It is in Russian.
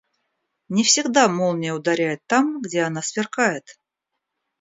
Не всегда молния ударяет там, где она сверкает.